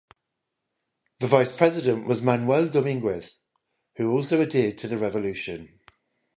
The Vice-President was Manuel Dominguez, who also adhered to the revolution.